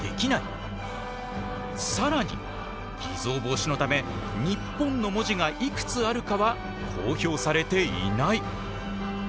更に偽造防止のため「ＮＩＰＰＯＮ」の文字がいくつあるかは公表されていない。